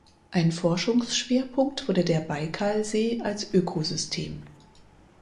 Ein Forschungsschwerpunkt wurde der Baikalsee als Ökosystem.